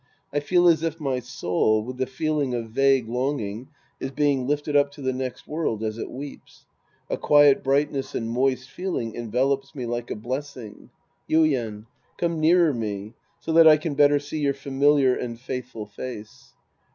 I feel as if my soul, with a feeling of vague longing, is bang lifted up to the next world as it weeps. A quiet brightness and moist feeling envelops me like a bles. sing. Yuien. Come nearer me. So that I can better see your familiar and faithful face.